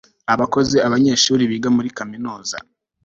abakozi nabanyeshuri biga muri kaminuza